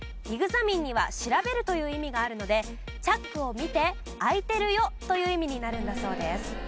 Ｅｘａｍｉｎｅには調べるという意味があるのでチャックを見て開いてるよという意味になるんだそうです。